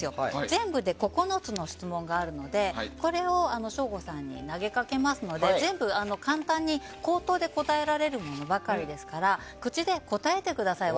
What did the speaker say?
全部で９つの質問があるのでこれを省吾さんに投げかけますので簡単に口頭で答えられるものばかりですから口で答えてください。